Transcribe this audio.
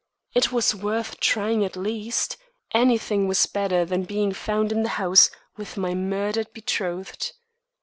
It was worth trying at least; anything was better than being found in the house with my murdered betrothed.